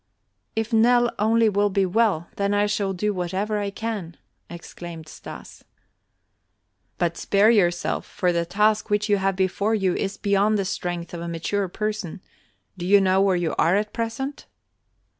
"If Nell only will be well, then I shall do whatever I can," exclaimed Stas. "But spare yourself, for the task which you have before you is beyond the strength of a mature person. Do you know where you are at present?"